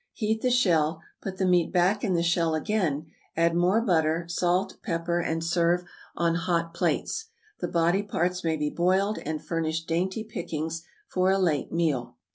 Heat the shell, put the meat back in the shell again, add more butter, salt, pepper, and serve on hot plates. The body parts may be boiled, and furnish dainty pickings for a late meal.